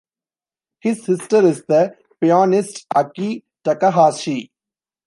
His sister is the pianist Aki Takahashi.